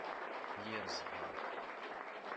Yir zzheṛ!